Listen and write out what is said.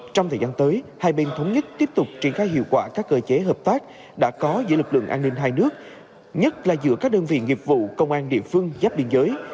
trong thời gian tới hai bên thống nhất tiếp tục triển khai hiệu quả các cơ chế hợp tác đã có giữa lực lượng an ninh hai nước nhất là giữa các đơn vị nghiệp vụ công an địa phương giáp biên giới